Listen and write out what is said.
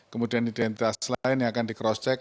kemudian identitas lain yang akan di cross check